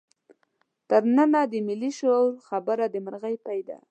تر ننه د ملي شعور خبره د مرغۍ پۍ ده.